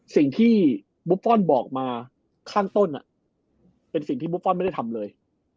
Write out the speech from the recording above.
สิ่งที่บุฟฟอลบอกมาข้างต้นเป็นสิ่งที่บุฟฟอลไม่ได้ทำเลย